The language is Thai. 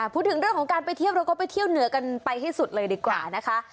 พูดถึงเรื่องของการไปเที่ยวเราก็ไปเที่ยวเหนือกันไปให้สุดเลยดีกว่านะคะ